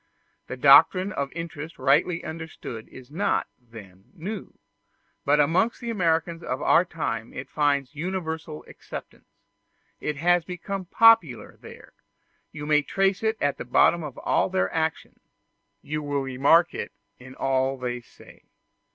The doctrine of interest rightly understood is not, then, new, but amongst the Americans of our time it finds universal acceptance: it has become popular there; you may trace it at the bottom of all their actions, you will remark it in all they say.